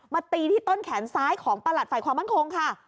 ตีที่ต้นแขนซ้ายของประหลัดฝ่ายความมั่นคงค่ะ